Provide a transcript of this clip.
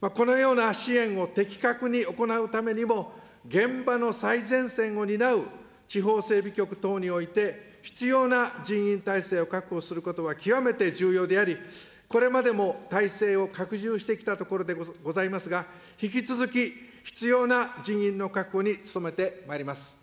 このような支援を的確に行うためにも、現場の最前線を担う地方整備局等において必要な人員体制を確保することは極めて重要であり、これまでも体制を拡充してきたところでございますが、引き続き必要な人員の確保に努めてまいります。